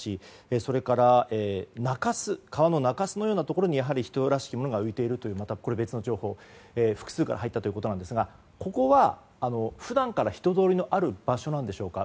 それから川の中州のようなところに人らしきものが浮いているという情報複数から入ったということですが普段から人通りがある場所なんでしょうか。